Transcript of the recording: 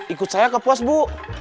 ikut saya ke puas bu